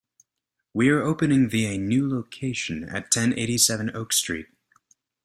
We are opening the a new location at ten eighty-seven Oak Street.